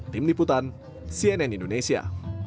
tim liputan cnn indonesia